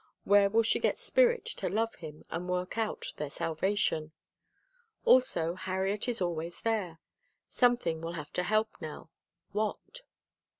Where will she get spirit to love him and work out their salvation? Also Harriet is always there. Something will have to help Nell. What?